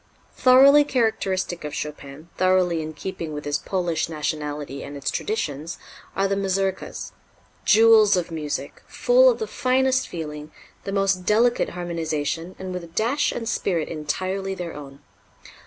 Thoroughly characteristic of Chopin, thoroughly in keeping with his Polish nationality and its traditions, are the Mazurkas jewels of music, full of the finest feeling, the most delicate harmonization, and with a dash and spirit entirely their own.